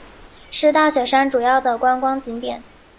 是大雪山主要的观光景点。